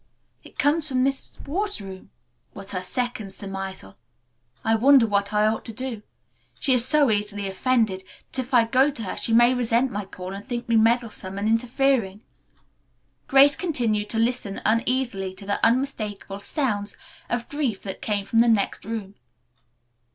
"It comes from Miss Ward's room," was her second surmisal. "I wonder what I ought to do. She is so easily offended that, if I go to her, she may resent my call and think me meddlesome and interfering." Grace continued to listen uneasily to the unmistakable sounds of grief that came from the next room.